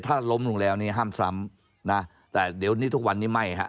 ถ้าล้มลงแล้วนี่ห้ามซ้ำนะแต่เดี๋ยวนี้ทุกวันนี้ไม่ฮะ